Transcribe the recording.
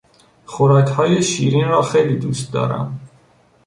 خوراکهای شیرین را خیلی دوست دارم.